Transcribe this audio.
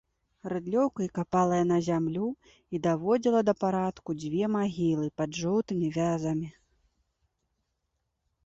Рыдлёўкай капала яна зямлю і даводзіла да парадку дзве магілы пад жоўтымі вязамі.